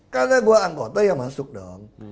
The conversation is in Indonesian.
karena gue anggota ya masuk dong